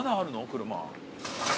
車。